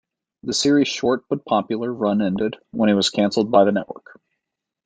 The series' short but popular run ended when it was canceled by the network.